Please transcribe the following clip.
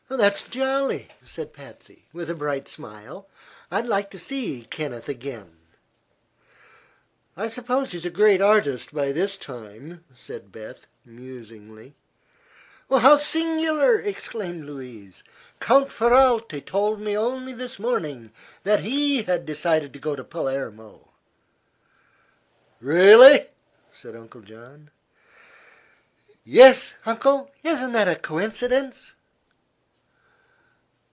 "That's jolly," said Patsy, with a bright smile. "I'd like to see Kenneth again." "I suppose he is a great artist, by this time," said Beth, musingly. "How singular!" exclaimed Louise. "Count Ferralti told me only this morning that he had decided to go to Palermo." "Really?" said Uncle John. "Yes, Uncle. Isn't it a coincidence?"